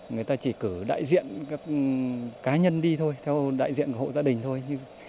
người ta chỉ cử đại diện cá nhân đi thôi theo đại diện hộ gia đình thôi